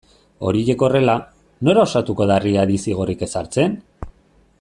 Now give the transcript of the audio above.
Horiek horrela, nor ausartuko da Riadi zigorrik ezartzen?